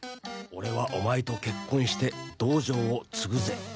「俺はおまえと結婚して道場を継ぐぜ」